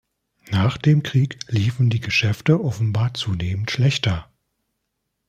Nach dem Krieg liefen die Geschäfte offenbar zunehmend schlechter.